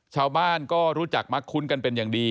ชาวบ้านก็รู้จักมักคุ้นกันเป็นอย่างดี